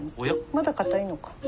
まだ硬いのか。